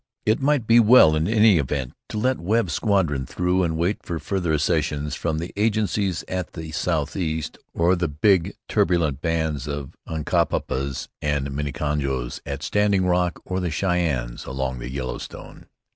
It might be well in any event to let Webb's squadron through and wait for further accessions from the agencies at the southeast, or the big, turbulent bands of Uncapapas and Minneconjous at Standing Rock, or the Cheyennes along the Yellowstone.